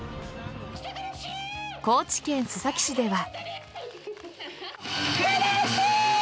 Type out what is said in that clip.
高知県須崎市では。